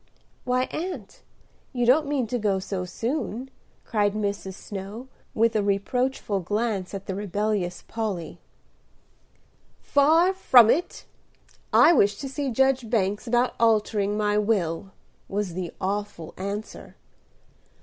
"Why, aunt, you don't mean to go so soon?" cried Mrs. Snow, with a reproachful glance at the rebellious Polly. "Far from it. I wish to see Judge Banks about altering my will," was the awful answer.